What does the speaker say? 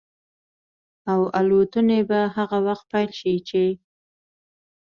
او الوتنې به هغه وخت پيل شي چې